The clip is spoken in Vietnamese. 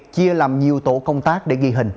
chia làm nhiều tổ công tác để ghi hình